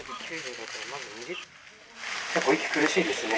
結構息苦しいですね。